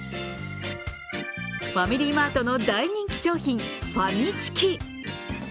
ファミリーマートの大人気商品、ファミチキ。